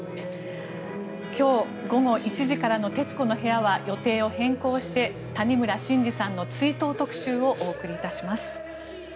今日午後１時からの「徹子の部屋」は予定を変更して谷村新司さんの追悼特集をお送りいたします。